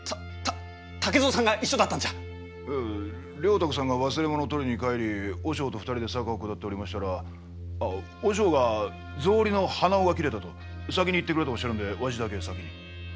沢さんが忘れ物を取りに帰り和尚と２人で坂を下っておりましたら和尚が草履の鼻緒が切れたと先に行ってくれとおっしゃるんでわしだけ先に。